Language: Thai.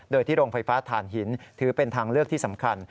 โดยที่โรงไฟฟ้าฐานหินถือเป็นทางเลือกที่สำคัญ